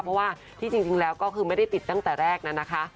เพราะว่าที่จริงแล้วก็คือไม่ได้ติดตั้งแต่แรกนั้นนะคะ